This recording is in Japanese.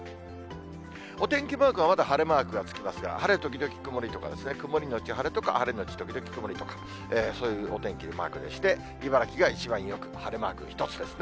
お天気マークはまだ晴れマークがつきますが、晴れ時々曇りとかですね、曇り後晴れとか、晴れ後曇りとか、そういうお天気のマークでして、茨城が一番よく、晴れマーク１つですね。